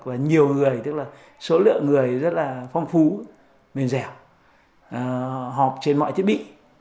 và nhiều người tức là số lượng người rất là phong phú mềm dẻo họp trên mọi thiết bị